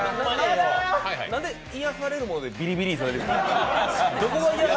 なんで癒やされるものでビリビリされるの？